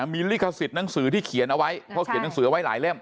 มีลิขสิทธิ์หนังสือที่เขียนเอาไว้เพราะเขียนหนังสือไว้หลายเล่ม